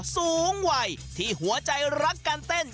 สูงวัยที่หัวใจรักการเต้น